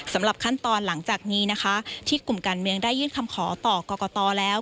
สำหรับขั้นตอนหลังจากนี้นะคะที่กลุ่มการเมืองได้ยื่นคำขอต่อกรกตแล้ว